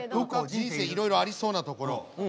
「人生いろいろ」ありそうな所。